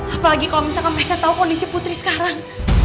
apalagi kalau misalkan mereka tahu kondisi putri sekarang